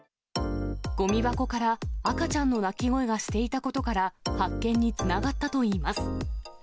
ごみ箱から赤ちゃんの泣き声がしていたことから、発見につながったといいます。